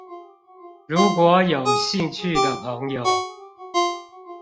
如果有興趣的朋友